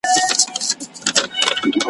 مځکه هغه سوزي چي اور پر بل وي ,